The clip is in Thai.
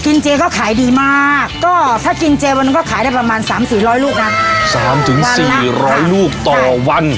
เจก็ขายดีมากก็ถ้ากินเจวันก็ขายได้ประมาณสามสี่ร้อยลูกนะสามถึงสี่ร้อยลูกต่อวัน